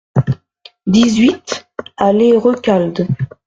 dix-huit allée Recalde